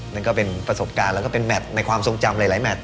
มันก็เป็นประสบการณ์ของแมตในความทรงจำ